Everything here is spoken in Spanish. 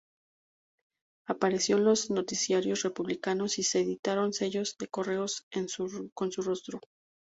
Apareció en los noticiarios republicanos y se editaron sellos de correos con su rostro.